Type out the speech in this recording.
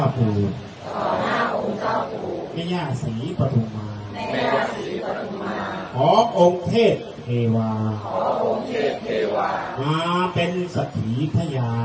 ขอสัญญาของเจ้าปุธิและมิญญาศรีปฎุมาขอองค์เทศเทวามาเป็นสถิทยาล